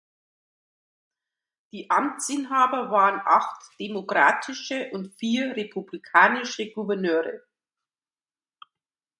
Die Amtsinhaber waren acht demokratische und vier republikanische Gouverneure.